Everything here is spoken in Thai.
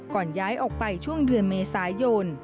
ย้ายออกไปช่วงเดือนเมษายน